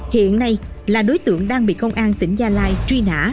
hiện nay là đối tượng đang bị công an tỉnh gia lai truy nã